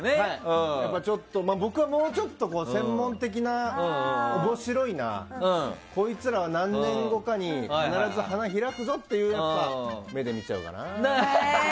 僕はもうちょっと専門的な面白いな、こいつら何年後かに必ず花開くぞっていう目で見ちゃうかな。